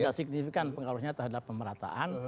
tidak signifikan pengaruhnya terhadap pemerataan